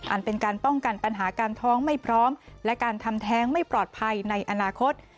เป็นการป้องกันปัญหาการท้องไม่พร้อมและการทำแท้งไม่ปลอดภัยในอนาคต